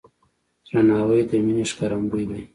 درناوی د مینې ښکارندوی دی.